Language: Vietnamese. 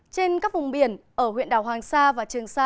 trên các vùng biển ở huyện đảo hoàng sa và trường sa